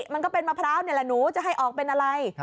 มันก็เป็นมะพร้าวนี่แหละหนูจะให้ออกเป็นอะไร